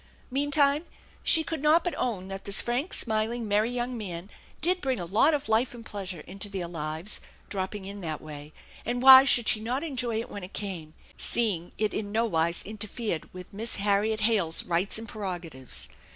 Meantime, she could not but own that this frank, smiling, merry young man did bring a lot of life and pleasure into their lives, dropping in that way, and why should she not enjoy it when it came, seeing it in no wise interfered with Miss Harriet Hale's rights tnd prerogatives?